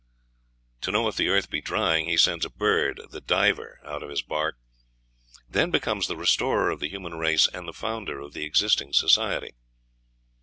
To know if the earth be drying, he sends a bird, the diver, out of his bark; then becomes the restorer of the human race and the founder of existing society.